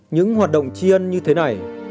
những hoạt động chi ân như thế này